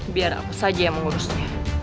biar aku saja yang mengurusnya